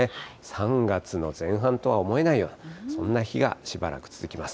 ３月の前半とは思えないような、そんな日がしばらく続きます。